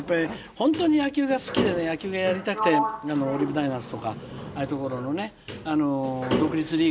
本当に野球が好きでね野球がやりたくてオリーブガイナーズとかああいうところのね独立リーグにいて頑張って。